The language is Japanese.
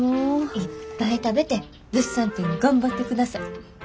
いっぱい食べて物産展頑張ってください！